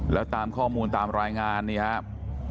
แล้วตามข้อมูลตามรายงานนี่ครับ